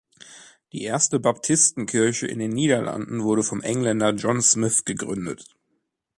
Die erste Baptistenkirche in den Niederlanden wurde vom Engländer John Smyth gegründet.